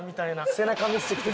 背中見せてきて。